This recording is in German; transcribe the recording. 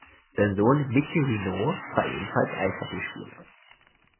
Sein Sohn Mickey Renaud war ebenfalls Eishockeyspieler.